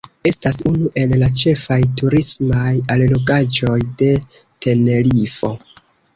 Estas unu el la ĉefaj turismaj allogaĵoj de Tenerifo.